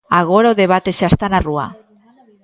Agora o debate xa está na rúa.